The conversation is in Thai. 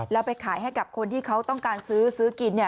แล้วไปขายให้กับคนที่เขาต้องการซื้อซื้อกิน